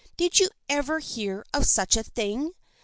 Did you ever hear of such a thing?